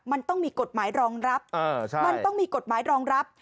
มันต้องมีกฎหมายรองรับมันต้องมีกฎหมายรองรับ